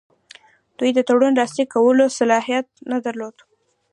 دوی د تړون لاسلیک کولو صلاحیت نه درلود.